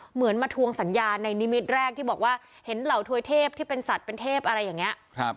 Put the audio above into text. เหมือนมาทวงสัญญาในนิมิตรแรกที่บอกว่าเห็นเหล่าถวยเทพที่เป็นสัตว์เป็นเทพอะไรอย่างนี้